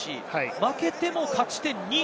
負けても勝ち点２。